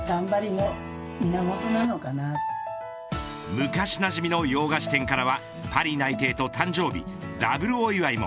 昔なじみの洋菓子店からはパリ内定と誕生日ダブルお祝いも。